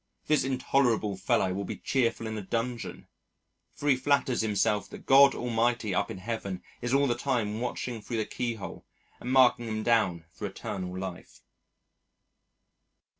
This intolerable fellow will be cheerful in a dungeon. For he flatters himself that God Almighty up in Heaven is all the time watching through the keyhole and marking him down for eternal life.